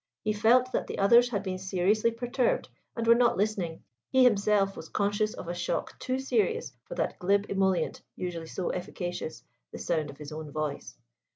He felt that the others had been seriously perturbed and were not listening: he himself was conscious of a shock too serious for that glib emollient usually so efficacious the sound of his own voice.